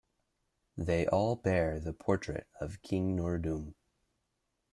They all bear the portrait of King Norodom.